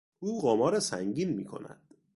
او قمار سنگین میکند.